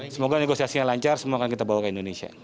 semoga negosiasinya lancar semoga kita bawa ke indonesia